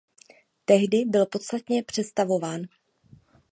Tehdy byl podstatně přestavován.